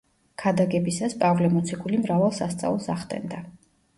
ქადაგებისას, პავლე მოციქული მრავალ სასწაულს ახდენდა.